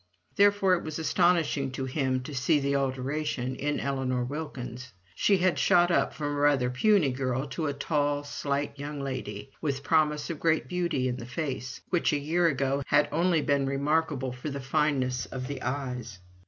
Therefore it was astonishing to him to see the alteration in Ellinor Wilkins. She had shot up from a rather puny girl to a tall, slight young lady, with promise of great beauty in the face, which a year ago had only been remarkable for the fineness of the eyes.